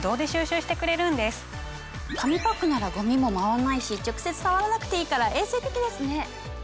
紙パックならゴミも舞わないし直接触らなくていいから衛生的ですね。